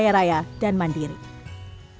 jika sumber daya ini dapat dikelola dan diolah dengan baik